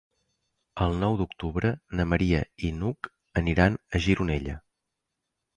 El nou d'octubre na Maria i n'Hug aniran a Gironella.